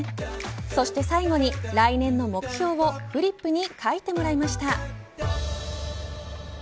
そして最後に来年の目標をフリップに書いてもらいました。